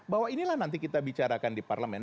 bahwa inilah nanti kita bicarakan di parlemen